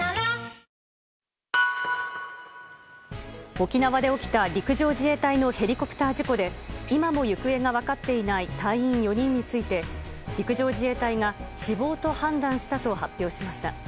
沖縄で起きた陸上自衛隊のヘリコプター事故で今も行方が分かっていない隊員４人について陸上自衛隊が死亡と判断したと発表しました。